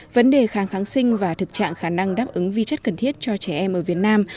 vấn đề kháng kháng sinh và thực trạng khả năng đáp ứng vi chất cần thiết cho trẻ em ở việt nam